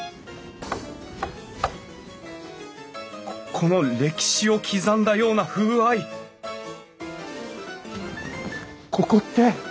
この歴史を刻んだような風合いここって！